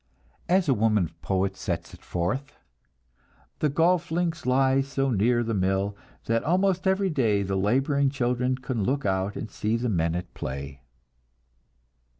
As a woman poet sets it forth: "The golf links lie so near the mill That almost every day The laboring children can look out And see the men at play."